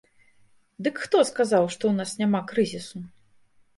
Дык хто сказаў, што ў нас няма крызісу?